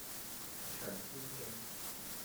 翔天徑